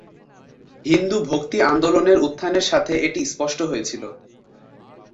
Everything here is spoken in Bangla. হিন্দু ভক্তি আন্দোলনের উত্থানের সাথে এটি স্পষ্ট হয়েছিল।